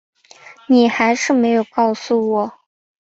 你还是没有告诉我